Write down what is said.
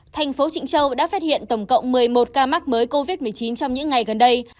thành phố trịnh châu đã phát hiện tổng cộng một mươi một ca mắc mới covid một mươi chín trong những ngày gần đây